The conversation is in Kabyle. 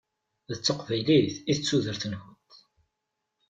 D taqbaylit i d tudert-nkent.